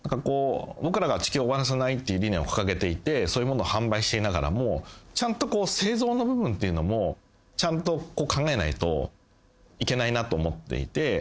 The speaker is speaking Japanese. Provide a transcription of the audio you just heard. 僕らが地球を終わらせないっていう理念を掲げていてそういうものを販売していながらもちゃんと製造の部分っていうのもちゃんと考えないといけないなと思っていて。